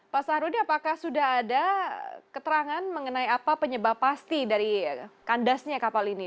pak saharudi apakah sudah ada keterangan mengenai apa penyebab pasti dari kandasnya kapal ini